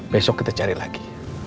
besok kita cari lagi